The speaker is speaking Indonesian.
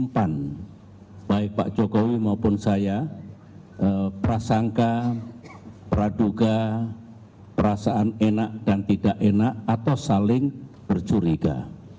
baik pak jokowi maupun saya prasangka praduga perasaan enak dan tidak enak atau saling bercuriga